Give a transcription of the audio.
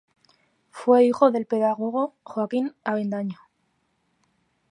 Fue hijo del pedagogo Joaquín Avendaño.